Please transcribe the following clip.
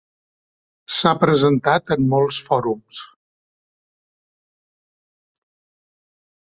S'ha presentat en molts fòrums.